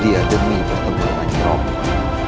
dia demi pertempuran nirombang